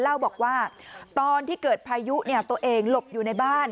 เล่าบอกว่าตอนที่เกิดพายุตัวเองหลบอยู่ในบ้าน